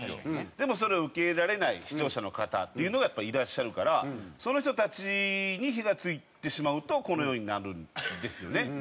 でもそれを受け入れられない視聴者の方っていうのがやっぱりいらっしゃるからその人たちに火が付いてしまうとこのようになるんですよね。